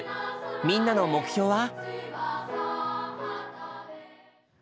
みんなの目標は？